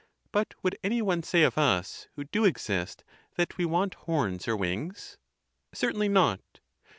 But would any one say of us, who do exist, that we want horns or wings? Certainly not.